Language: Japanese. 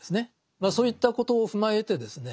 まあそういったことを踏まえてですね